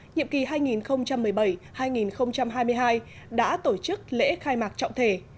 nhiệm kỳ hai nghìn một mươi bảy hai nghìn hai mươi hai đã tổ chức lễ khai mạc trọng thể